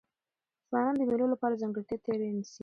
ځوانان د مېلو له پاره ځانګړې تیاری نیسي.